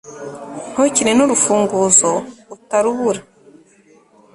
ntukine nurufunguzo utarubura